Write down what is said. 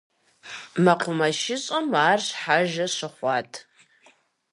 МэкъумэшыщӀэм ар щхьэжэ щыхъуат.